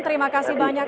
terima kasih banyak